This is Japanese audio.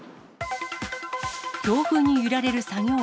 強風に揺られる作業員。